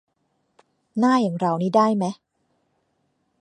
หน้าอย่างเรานี่ได้แมะ